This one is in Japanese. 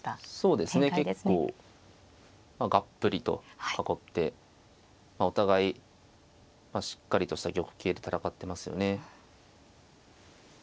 そうですね結構がっぷりと囲ってお互いしっかりとした玉形で戦ってますよね。